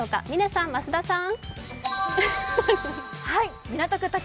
嶺さん、増田さん。